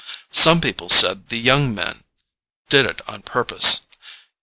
Some people said the young man did it on purpose.